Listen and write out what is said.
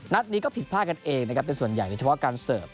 นัดนี้ก็ผิดพลาดกันเองนะครับแต่ส่วนใหญ่โดยเฉพาะการเสิร์ฟ